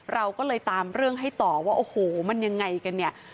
เราก็เลยตามเรื่องให้ต่อว่าโอ้โหมันยังไงกันเนี่ย